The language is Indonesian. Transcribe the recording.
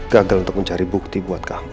gagal untuk mencari bukti buat kamu